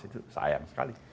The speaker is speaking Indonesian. itu sayang sekali